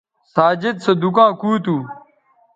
ساجد سو دُکاں کُو تھو